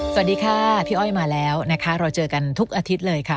สวัสดีค่ะพี่อ้อยมาแล้วนะคะเราเจอกันทุกอาทิตย์เลยค่ะ